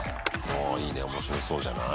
あいいね面白そうじゃない？